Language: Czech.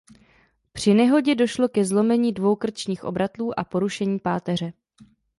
Při nehodě došlo ke zlomení dvou krčních obratlů a porušení páteře.